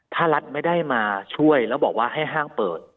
ถ้ารัฐไม่ได้มาช่วยแล้วบอกว่าให้ห้างเปิด